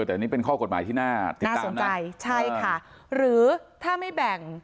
แต่อันนี้เป็นข้อกฎหมายที่น่าสนใจใช่ค่ะหรือถ้าไม่แบ่ง